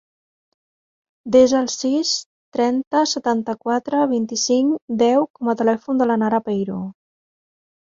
Desa el sis, trenta, setanta-quatre, vint-i-cinc, deu com a telèfon de la Nara Peiro.